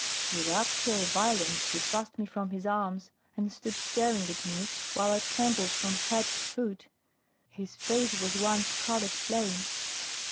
'" With actual violence he thrust me from his arms, and stood staring at me, while I trembled from head to foot; his face was one scarlet flame.